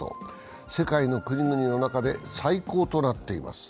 世界の国々の中で最高となっています。